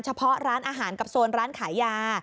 เฉพาะร้านอาหารกับโซนร้านขายยา